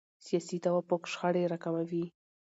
سیاسي توافق شخړې راکموي